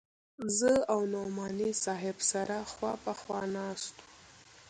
زه او نعماني صاحب سره خوا په خوا ناست وو.